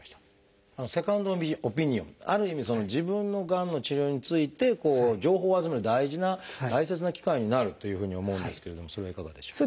セカンドオピニオンある意味自分のがんの治療について情報を集める大事な大切な機会になるというふうに思うんですけれどもそれはいかがでしょう？